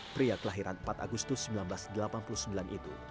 pria kelahiran empat agustus seribu sembilan ratus delapan puluh sembilan itu